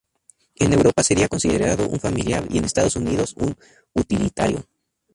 En Europa sería considerado un familiar y en Estados Unidos un utilitario.